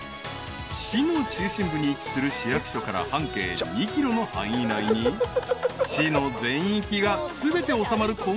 ［市の中心部に位置する市役所から半径２ｋｍの範囲内に市の全域が全て収まる